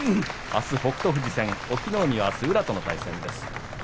あすは北勝富士戦隠岐の海はあすは宇良との対戦です。